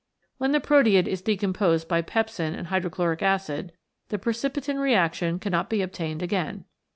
When the proteid is decomposed by pepsin and hydrochloric acid the precipitin reaction cannot be obtained again.